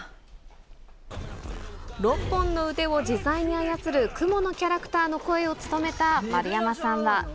６本の腕を自在に操るクモのキャラクターの声を務めた丸山さんは。